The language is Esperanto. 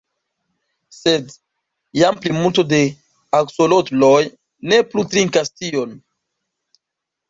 Sed jam la plimulto de aksolotloj ne plu trinkas tion.